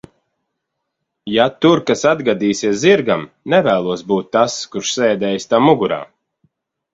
Ja tur kas atgadīsies zirgam, nevēlos būt tas, kurš sēdēja tam mugurā.